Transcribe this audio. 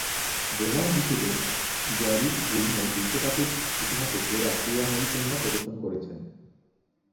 Bowler হিসেবে Gary Gilmour বিশ্বকাপের ইতিহাসে সেরা ক্রীড়া নৈপুণ্য প্রদর্শন করেছেন।